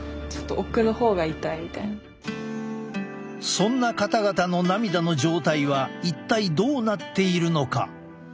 そんな方々の涙の状態は一体どうなっているのか？